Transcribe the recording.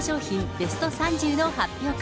ベスト３０の発表会。